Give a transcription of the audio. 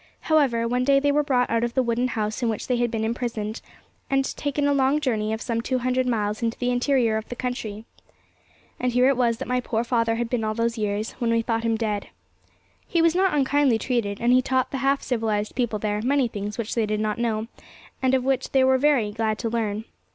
However, one day they were brought out of the wooden house in which they had been imprisoned, and taken a long journey of some two hundred miles into the interior of the country. And here it was that my poor father had been all those years, when we thought him dead. He was not unkindly treated, and he taught the half civilized people there many things which they did not know, and which they were very glad to learn.